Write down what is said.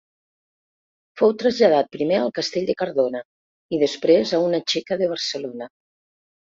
Fou traslladat primer al Castell de Cardona i després a una txeca de Barcelona.